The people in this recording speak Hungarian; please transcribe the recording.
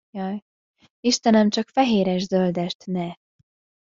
Istenem, csak fehéres-zöldest ne!